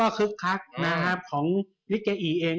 เรามากรับภาพใหญ่นะครับของนิทเก๋อีเอง